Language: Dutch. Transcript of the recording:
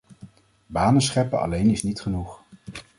Banen scheppen alleen is niet genoeg.